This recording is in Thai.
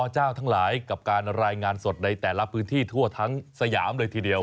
เจ้าทั้งหลายกับการรายงานสดในแต่ละพื้นที่ทั่วทั้งสยามเลยทีเดียว